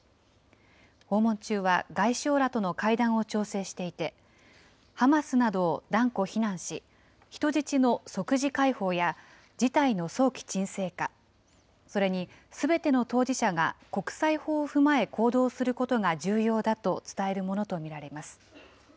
訪問中は外相らとの会談を調整していて、ハマスなどを断固非難し、人質の即時解放や事態の早期沈静化、それにすべての当事者が国際法を踏まえ行動することが重要だと伝えるものと見られます。